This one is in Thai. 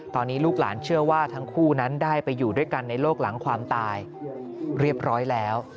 ตอนนี้ลูกหลานเชื่อว่าทั้งคู่นั้นได้ไปอยู่ด้วยกันในโลกหลังความตายเรียบร้อยแล้ว